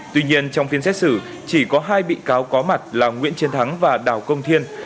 tuy nhiên trong phiên xét xử chỉ có hai bị cáo có mặt là nguyễn chiến thắng và đào công thiên